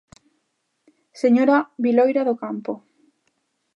Señora Viloira do Campo.